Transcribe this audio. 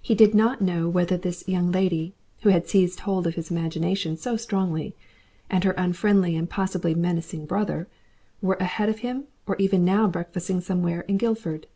He did not know whether this young lady, who had seized hold of his imagination so strongly, and her unfriendly and possibly menacing brother, were ahead of him or even now breakfasting somewhere in Guildford.